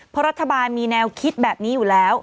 เพราะรัฐบาลมีแนวคิดแบบนี้อยู่แล้ว